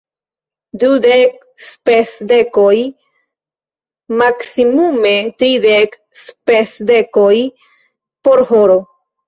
Dudek spesdekoj, maksimume tridek spesdekoj por horo.